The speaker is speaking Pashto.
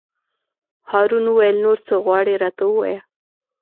هارون وویل: نور څه غواړې راته ووایه.